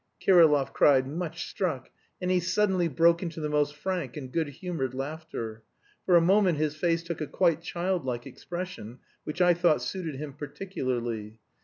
Kirillov cried, much struck, and he suddenly broke into the most frank and good humoured laughter. For a moment his face took a quite childlike expression, which I thought suited him particularly.